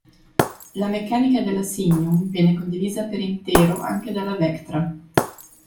La meccanica della Signum viene condivisa per intero anche dalla Vectra.